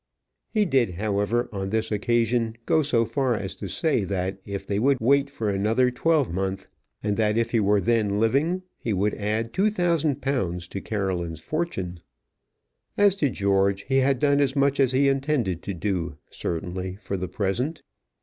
He did, however, on this occasion go so far as to say, that if they would wait for another twelvemonth, and that if he were then living, he would add two thousand pounds to Caroline's fortune. As to George, he had done as much as he intended to do certainly for the present.